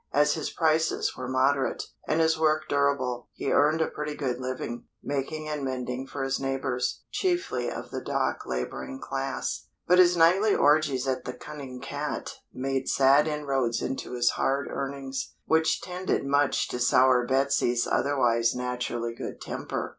As his prices were moderate, and his work durable, he earned a pretty good living, making and mending for his neighbours, chiefly of the dock labouring class; but his nightly orgies at the "Cunning Cat" made sad inroads into his hard earnings, which tended much to sour Betsy's otherwise naturally good temper.